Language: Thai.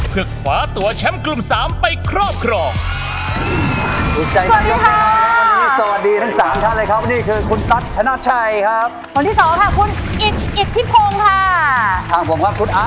เพื่อขวาตัวแชมป์กลุ่ม๓ไปครอบครอง